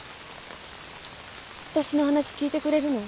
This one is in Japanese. わたしの話聞いてくれるの？